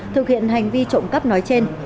thực hiện hành vi trộm cắp nói trên